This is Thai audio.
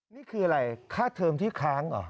นี่คืออะไรค่าเทอมที่ค้างเหรอ